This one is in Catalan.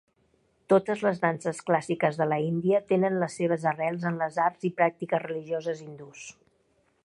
Totes les danses clàssiques de l'Índia tenen les seves arrels en les arts i pràctiques religioses hindús.